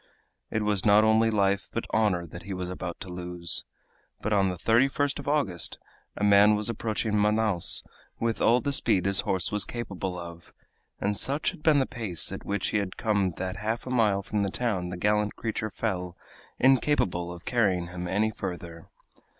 It was not only life, but honor that he was about to lose. But on the 31st of August a man was approaching Manaos with all the speed his horse was capable of, and such had been the pace at which he had come that half a mile from the town the gallant creature fell, incapable of carrying him any further.